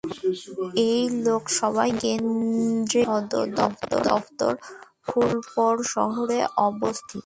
এই লোকসভা কেন্দ্রের সদর দফতর ফুলপুর শহরে অবস্থিত।